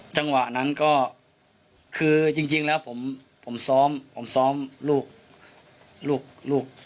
จังหวะนั้นก็คือจริงแล้วผมซ้อมลูก